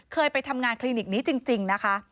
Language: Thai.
เคยไปทำงานคลินิกนี้จริงนะคะ